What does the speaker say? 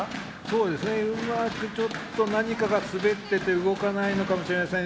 うまくちょっと何かが滑ってて動かないのかもしれません。